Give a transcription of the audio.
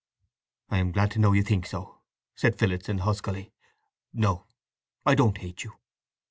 "I am glad to know you think so," said Phillotson huskily. "No. I don't hate you!"